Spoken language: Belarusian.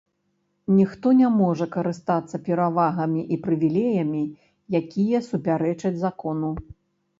Ніхто не можа карыстацца перавагамі і прывілеямі, якія супярэчаць закону.